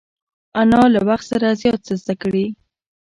انا له وخت سره زیات څه زده کړي